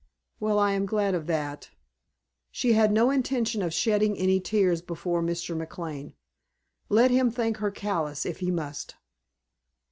"Well, I am glad of that." She had no intention of shedding any tears before Mr. McLane. Let him think her callous if he must.